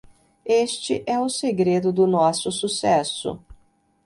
Este é o segredo do nosso sucesso